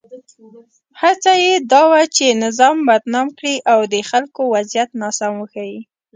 هڅه یې دا وه چې نظام بدنام کړي او د خلکو وضعیت ناسم وښيي.